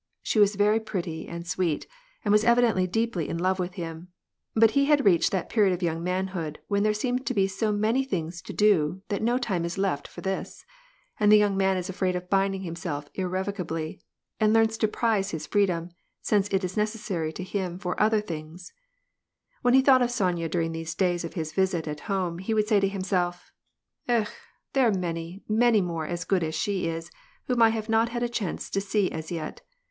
She was very pretty and sweet, was evidently deeply in love with him, but he had that period of young manhood when there seem to be many things to do that no time is left for this, and the yoi man is afraid of binding himself irrevocably, and learns prize his freedom, since it is necessary to him for other thin When he thought of Sonya during these days of his visit home, he would say to himself, —'^ Eh ! there are many, many more as good as she is, whom: have not had a chance to see as yet.